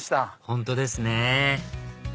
本当ですね